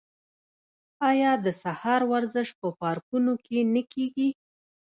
آیا د سهار ورزش په پارکونو کې نه کیږي؟